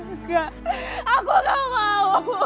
enggak aku gak mau